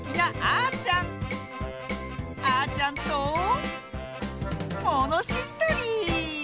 あーちゃんとものしりとり！